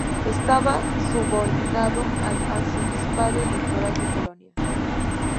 Estaba subordinado al Arzobispado-Electoral de Colonia.